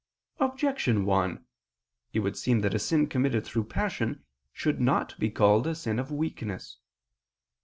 Objection 1: It would seem that a sin committed through passion should not be called a sin of weakness.